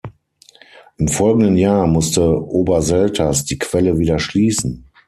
Im folgenden Jahr musste Oberselters die Quelle wieder schließen.